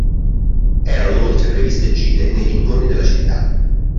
Erano inoltre previste gite nei dintorni della città.